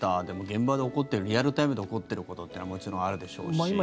でも現場で起こってるリアルタイムで起こってることというのはもちろんあるでしょうし。